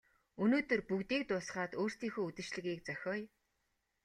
Өнөөдөр бүгдийг дуусгаад өөрсдийнхөө үдэшлэгийг зохиоё.